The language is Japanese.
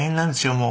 もう。